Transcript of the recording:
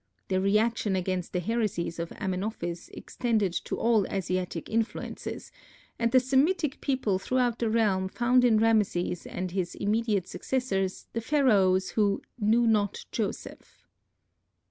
The reaction against the heresies of Amenophis extended to all Asiatic influences, and the Semitic people throughout the realm found in Rameses and his immediate successors the Pharaohs who "knew not Joseph."